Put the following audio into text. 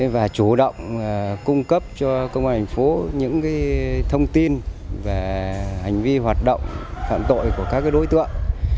và chủ động cung cấp cho công an thành phố những thông tin về hành vi hoạt động phạm tội của các đối tượng